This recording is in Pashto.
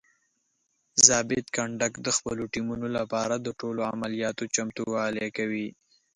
ضابط کنډک د خپلو ټیمونو لپاره د ټولو عملیاتو چمتووالی کوي.